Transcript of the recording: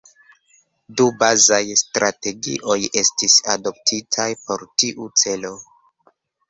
Du bazaj strategioj estis adoptitaj por tiu celo.